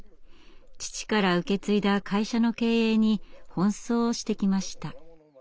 父から受け継いだ会社の経営に奔走してきました。